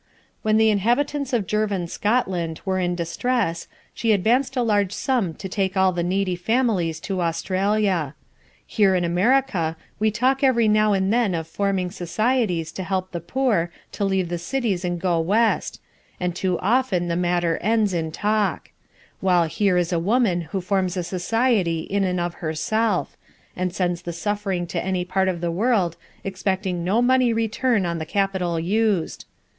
When the inhabitants of Girvan, Scotland, were in distress, she advanced a large sum to take all the needy families to Australia. Here in America we talk every now and then of forming societies to help the poor to leave the cities and go West, and too often the matter ends in talk; while here is a woman who forms a society in and of herself, and sends the suffering to any part of the world, expecting no money return on the capital used.